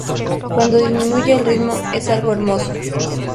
Cuando disminuye el ritmo, es algo hermoso".